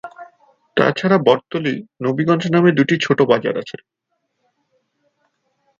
তাছাড়া বটতলী, নবীগঞ্জ নামে দুটি ছোট বাজার আছে।